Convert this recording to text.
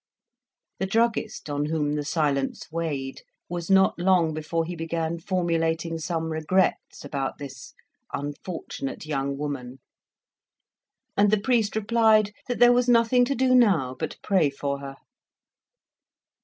The druggist, on whom the silence weighed, was not long before he began formulating some regrets about this "unfortunate young woman." and the priest replied that there was nothing to do now but pray for her.